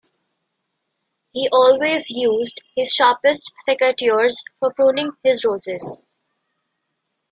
He always used his sharpest secateurs for pruning his roses